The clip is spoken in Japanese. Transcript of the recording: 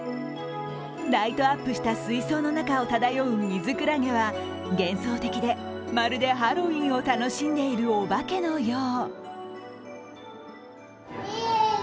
ライトアップした水槽の中を漂うミズクラゲは幻想的で、まるでハロウィーンを楽しんでいるおばけのよう。